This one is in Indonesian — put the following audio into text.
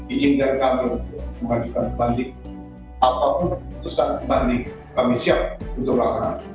izin dan kami mengajukan kembali apapun keputusan kembali kami siap untuk melaksanakan